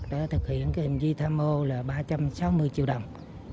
đã thực hiện hành vi tham ô là ba trăm sáu mươi triệu đồng